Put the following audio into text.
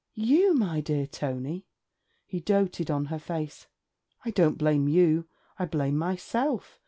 'You, my dear Tony?' He doated on her face. 'I don't blame you, I blame myself.